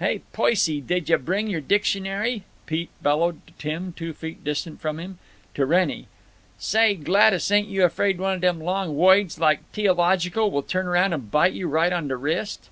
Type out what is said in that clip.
"Hey, Poicy, did yuh bring your dictionary?" Pete bellowed to Tim, two feet distant from him. To Wrennie, "Say, Gladys, ain't you afraid one of them long woids like, t'eological, will turn around and bite you right on the wrist?"